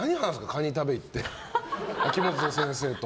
カニ食べに行って、秋元先生と。